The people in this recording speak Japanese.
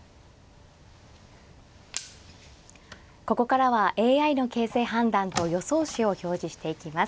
ここからはＡＩの形勢判断と予想手を表示していきます。